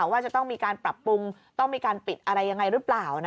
ว่าจะต้องมีการปรับปรุงต้องมีการปิดอะไรยังไงหรือเปล่า